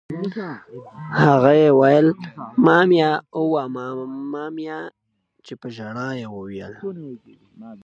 هغه یې ویل: مامیا! اوه ماما میا! چې په ژړا یې وویل.